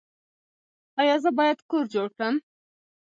ایا زه باید کور جوړ کړم؟